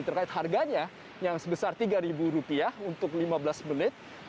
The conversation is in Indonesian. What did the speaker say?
terkait harganya yang sebesar rp tiga untuk lima belas menit